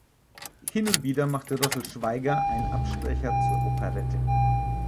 Hin und wieder machte Rosl Schwaiger einen Abstecher zur Operette.